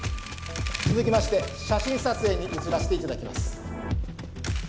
続きまして写真撮影に移らせて頂きます。